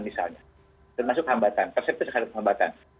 misalnya termasuk hambatan persesip terhadap hambatan